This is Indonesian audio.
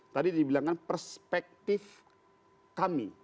tadi dibilangkan perspektif kami